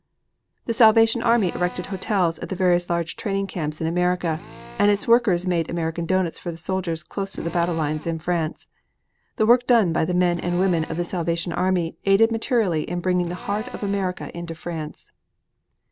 The Salvation Army erected hotels at the various large training camps in America, and its workers made American doughnuts for the soldiers close to the battle lines in France. The work done by the men and women of the Salvation Army aided materially in bringing the heart of America into France.